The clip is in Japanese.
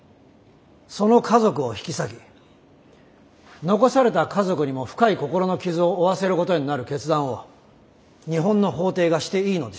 その家族を引き裂き残された家族にも深い心の傷を負わせることになる決断を日本の法廷がしていいのでしょうか？